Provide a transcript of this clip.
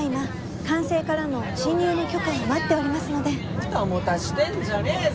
もたもたしてんじゃねえぞ！